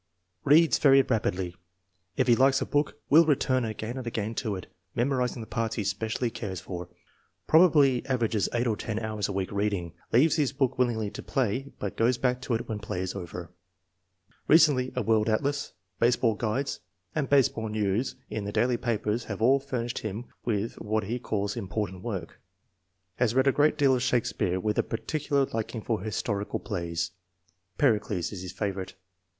" Reads very rapidly. If he likes a book will return again and again to it, memorizing the parts he specially cares for. Probably averages eight or ten hours a week reading. Leaves his book willingly to play, but goes back to it when play is over. "Recently a world atlas, baseball guides, and base ball news in the daily papers have all furnished him with what he calls * important work/ Has read a FORTY ONE SUPERIOR CHILDREN 255 great deal of Shakespeare with a particular liking for the historical plays. (Pericles is his favorite.)